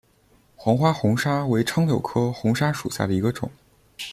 黄花红砂为柽柳科红砂属下的一个种。